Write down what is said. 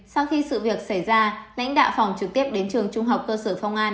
sau khi sự việc xảy ra lãnh đạo phòng trực tiếp đến trường trung học cơ sở phong an